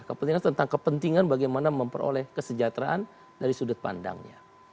kepentingan tentang kepentingan bagaimana memperoleh kesejahteraan dari sudut pandangnya